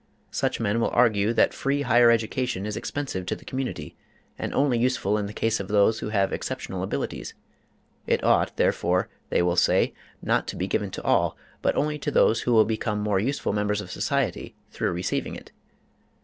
Such men will argue that free higher education is expensive to the community, and only useful in the case of those who have exceptional abilities; it ought, therefore, they will say, not to be given to all, but only to those who will become more useful members of society through receiving it.